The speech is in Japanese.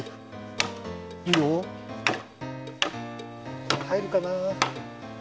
いいよ。はいるかな。